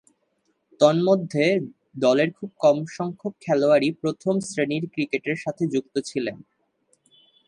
তন্মধ্যে, দলের খুব কমসংখ্যক খেলোয়াড়ই প্রথম-শ্রেণীর ক্রিকেটের সাথে যুক্ত ছিলেন।